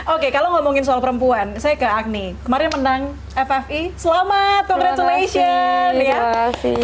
oke kalau ngomongin soal perempuan saya ke agni kemarin menang ffi selamat congratulation ya